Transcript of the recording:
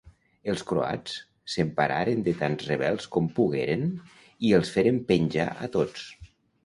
Els croats s'empararen de tants rebels com pogueren i els feren penjar a tots.